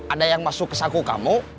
ada yang masuk ke saku kamu